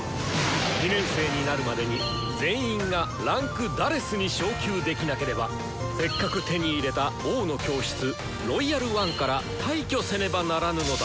２年生になるまでに全員が位階「４」に昇級できなければせっかく手に入れた「王の教室」「ロイヤル・ワン」から退去せねばならぬのだ！